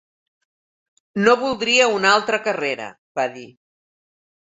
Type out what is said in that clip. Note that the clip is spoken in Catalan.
No voldria una altra carrera, va dir.